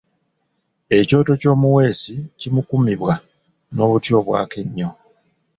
Ekyoto ky’omuweesi kikumibwa n’obuti obwaka ennyo.